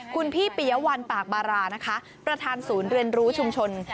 คุณพี่ปียวัลปากบารานะคะประธานศูนย์เรียนรู้ชุมชน